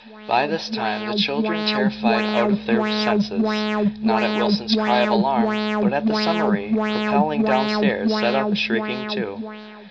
By this time the children, terrified out of their senses, not at Wilson's cry of alarm, but at the summary propelling downstairs, set up a shrieking, too.